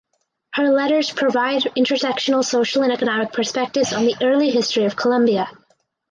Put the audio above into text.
Her letters provide intersectional social and economic perspectives on the early history of Colombia.